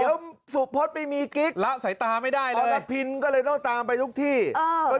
เดี๋ยวสุโพธิ์ไปมีกิ๊กอัลพินก็เลยต้องตามไปทุกที่แล้วสายตาไม่ได้เลย